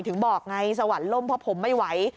ถึงบอกไงสวรรค์ล่มเพราะผมไม่ไหว